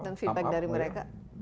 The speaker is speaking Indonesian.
dan feedback dari mereka bagus